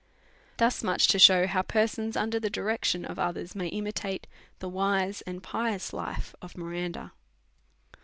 Thus much to shew how persons under the direc tion of others may imitate the wise and pious life of Miranda.